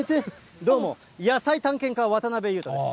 どうも、野菜探検家、渡辺裕太です。